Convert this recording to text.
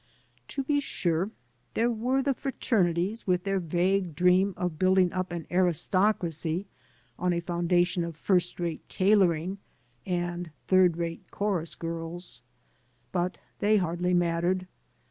To be sure, there were the fraternities with their vague dream of building up an aristocracy <mi a foundation of first rate tailoring and third rate chorus girls. But they hardly mattered.